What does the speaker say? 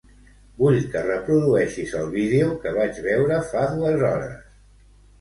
Vull que reprodueixis el vídeo que vaig veure fa dues hores.